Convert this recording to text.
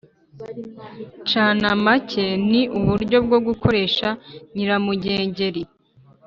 canamake ni uburyo bwo gukoresha nyiramugengeri